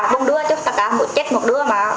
bốn đứa cho tất cả một chết một đứa mà